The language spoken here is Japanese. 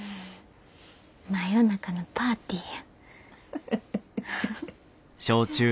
真夜中のパーティーや。